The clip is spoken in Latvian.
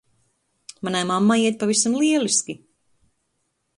Manai mammai iet pavisam lieliski.